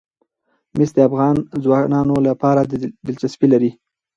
مس د افغان ځوانانو لپاره دلچسپي لري.